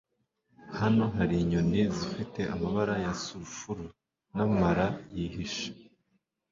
Hano hari inyoni zifite amabara ya sulfuru namara yihishe